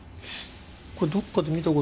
これどっかで見た事。